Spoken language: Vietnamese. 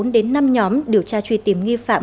bốn đến năm nhóm điều tra truy tìm nghi phạm